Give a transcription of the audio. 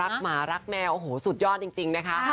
หมารักแมวโอ้โหสุดยอดจริงนะคะ